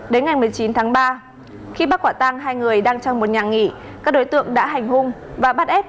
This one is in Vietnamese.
đến ngày một mươi chín tháng ba khi bắt quả tang hai người đang trong một nhà nghỉ các đối tượng đã hành hung và bắt ép